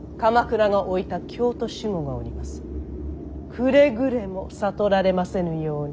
くれぐれも悟られませぬように。